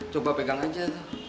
coba pegang aja